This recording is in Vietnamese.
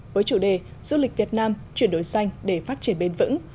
với chủ đề du lịch việt nam chuyển đổi xanh để phát triển bền vững